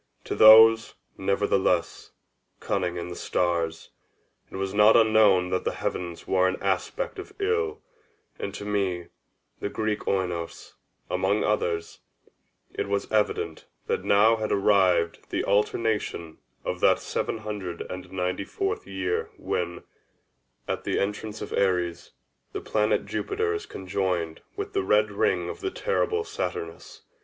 To those, nevertheless, cunning in the stars, it was not unknown that the heavens wore an aspect of ill; and to me, the Greek Oinos, among others, it was evident that now had arrived the alternation of that seven hundred and ninety fourth year when, at the entrance of Aries, the planet Jupiter is conjoined with the red ring of the terrible Saturnus.